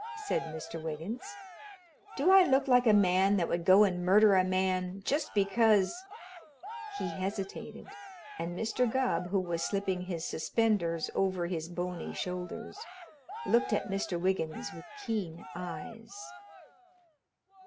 said Mr. Wiggins. "Do I look like a man that would go and murder a man just because " He hesitated and Mr. Gubb, who was slipping his suspenders over his bony shoulders, looked at Mr. Wiggins with keen eyes.